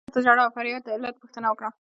شیخ د ژړا او فریاد د علت پوښتنه وکړه.